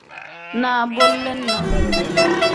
না, বলবে না।